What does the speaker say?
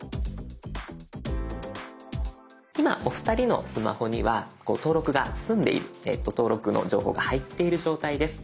今お二人のスマホには登録が済んでいる登録の情報が入っている状態です。